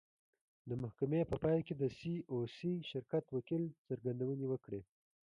د محکمې په پای کې د سي او سي شرکت وکیل څرګندونې وکړې.